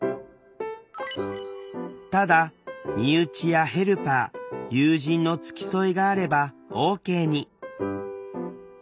ただ身内やヘルパー友人の付き添いがあればＯＫに。